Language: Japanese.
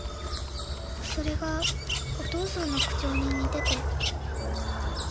それがお父さんの口調に似てて。